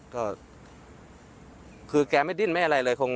ก็คือแกไม่ดิ้นไม่อะไรเลย